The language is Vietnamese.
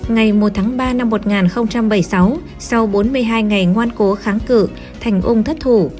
ngày một tháng ba năm một nghìn bảy mươi sáu sau bốn mươi hai ngày ngoan cố kháng cự thành ung thất thủ